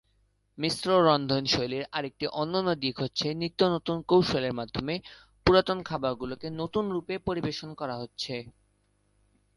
মিশ্র রন্ধনশৈলীর আরেকটি অনন্য দিক হচ্ছে নিত্য নতুন কৌশলের মাধ্যমে পুরাতন খাবার গুলোকে নতুন রূপে পরিবেশন করা হচ্ছে।